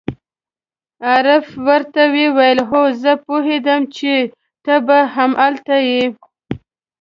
عارف ور ته وویل: هو، زه پوهېدم چې ته به همدلته یې.